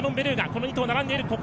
この２頭並んでいる。